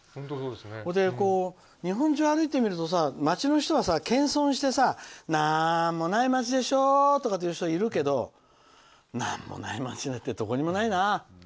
それで、日本中歩いてみるとさ街の人は謙遜して何もない街でしょ？って言う人いるけどなんもない街なんてどこにもないな。